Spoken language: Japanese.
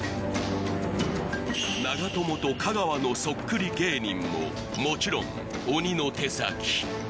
長友と香川のそっくり芸人ももちろん鬼の手先